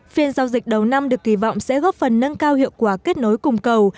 phiên giao dịch đầu năm được kỳ vọng sẽ góp phần nâng cao hiệu quả kết nối cung cầu